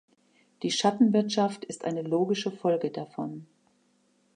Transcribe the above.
Die Schattenwirtschaft ist eine logische Folge davon.